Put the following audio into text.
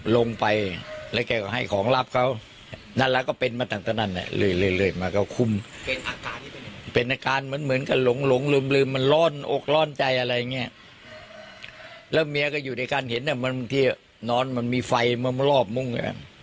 แล้วเมียก็อยู่ในการเห็นมันมันที่นอนมันมีไฟกระมวดลอบมุ้ง